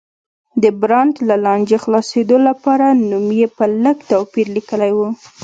د برانډ له لانجې خلاصېدو لپاره نوم یې په لږ توپیر لیکلی و.